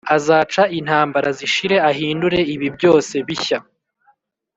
azaca intambara, zishire, ahindure ibi byose bishya.